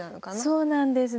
そうなんです